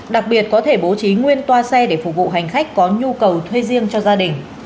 đặc biệt có thể bố trí nguyên toa xe để phục vụ hành khách có nhu cầu thuê riêng cho gia đình